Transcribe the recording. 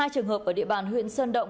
hai trường hợp ở địa bàn huyện sơn động